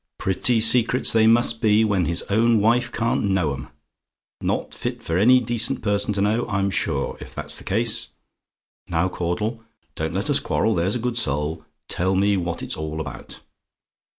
Pretty secrets they must be, when his own wife can't know 'em! Not fit for any decent person to know, I'm sure, if that's the case. Now, Caudle, don't let us quarrel, there's a good soul, tell me what it's all about?